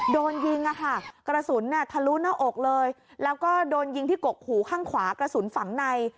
โดนยิงกระสุนทะลุหน้าอกเลยแล้วก็โดนยิงที่กกหูข้างขวากระสุนฝังใน